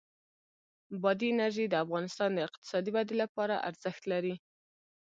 بادي انرژي د افغانستان د اقتصادي ودې لپاره ارزښت لري.